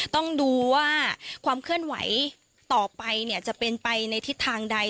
ต้องดูว่าความเคลื่อนไหวต่อไปจะเป็นไปในทิศทางใด